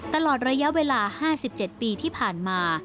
ตลอดระยะเวลา๕๗ปีที่ผ่านมา